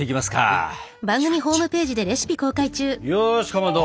よしかまど